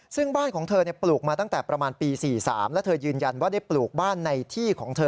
ซึ่งบ้านของเธอปลูกมาตั้งแต่ประมาณปี๔๓